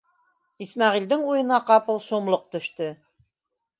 Исмәғилдең уйына ҡапыл шомлоҡ төштө: